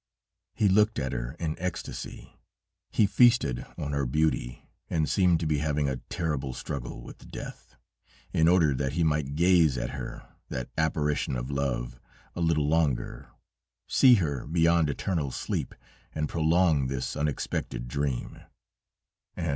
He looked at her in ecstacy, he feasted on her beauty, and seemed to be having a terrible struggle with death, in order that he might gaze at her, that apparition of love, a little longer, see her beyond eternal sleep and prolong this unexpected dream.